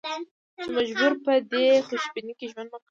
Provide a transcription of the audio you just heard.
چې مجبور دي په خوشبینۍ کې ژوند وکړي.